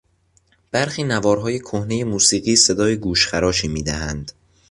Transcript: برخی نوارهای کهنهی موسیقی صدای گوشخراشی میدهند.